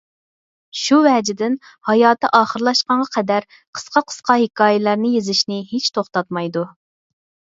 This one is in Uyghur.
شۇ ۋەجىدىن، ھاياتى ئاخىرلاشقانغا قەدەر قىسقا-قىسقا ھېكايىلەرنى يېزىشنى ھېچ توختاتمايدۇ.